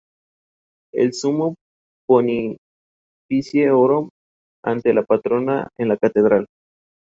Desprende un fuerte pesimismo, un afán por poner de relieve la miseria humana.